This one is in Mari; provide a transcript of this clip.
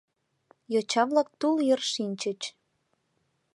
Йоча-влак тул йыр шинчыч.